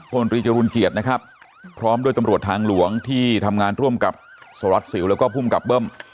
พลตรีจรุลเกียรตินะครับพร้อมด้วยตำรวจทางหลวงที่ทำงานร่วมกับสวัสดิสิวแล้วก็ภูมิกับเบิ้ม